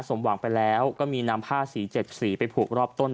สมหวังไปแล้วก็มีนำผ้าสี๗สีไปผูกรอบต้น